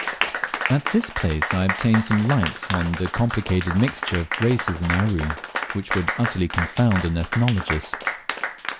At this place I obtained some light on the complicated mixture of races in Aru, which would utterly confound an ethnologist.